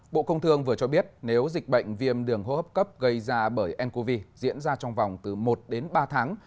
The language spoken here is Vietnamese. bộ công thương vừa cho biết nếu dịch bệnh viêm đường hô hấp cấp gây ra bởi ncov diễn ra trong vòng từ một đến ba tháng